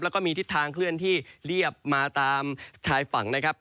แล้วก็มีทิศทางเคลื่อนที่เรียบมาตามชายฝั่งนะครับ